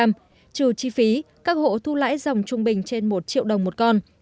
trừ chi phí các hộ thu lãi dòng trung bình trên một triệu đồng một con